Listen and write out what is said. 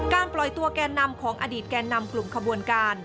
ปล่อยตัวแกนนำของอดีตแก่นำกลุ่มขบวนการ